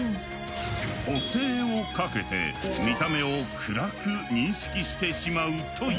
補正をかけて見た目を暗く認識してしまうという。